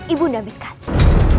ibu nda amit kasih